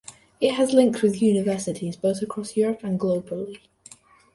It has links with universities both across Europe and globally.